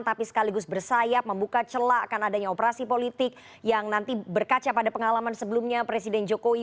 tapi sekaligus bersayap membuka celak akan adanya operasi politik yang nanti berkaca pada pengalaman sebelumnya presiden jokowi